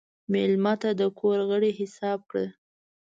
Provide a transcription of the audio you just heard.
مېلمه ته د کور غړی حساب کړه.